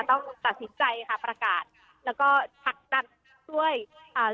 ต้องตัดสินใจค่ะประกาศแล้วก็ผลักดันช่วยอ่า